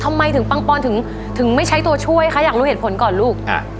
ทำไมถึงปังปอนถึงไม่ใช้ตัวช่วยคะอยากรู้เหตุผลก่อนลูก